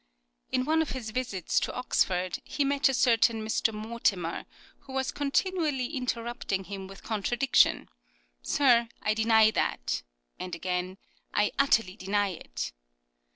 In one of his visits to Oxford he met a certain Mr. Mortimer, who was con tinually interrupting him with contradiction': " Sir, I deny that," and again, " I utterly deny it."